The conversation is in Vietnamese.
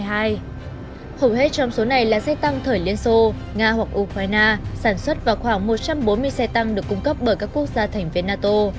hầu hết trong số này là xe tăng thời liên xô nga hoặc ukraine sản xuất vào khoảng một trăm bốn mươi xe tăng được cung cấp bởi các quốc gia thành viên nato